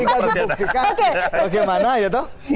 tinggal di buktikan bagaimana ya toh